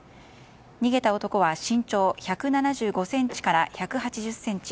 逃げた男は身長１７５ｃｍから１８０ｃｍ。